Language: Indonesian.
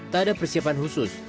tak ada persiapan khusus